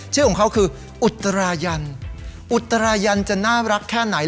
ชื่อของเขาคืออุตรายันอุตรายันจะน่ารักแค่ไหน